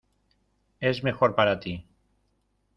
es mejor para ti.